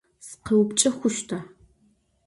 Sıkheupçç'e xhuşta?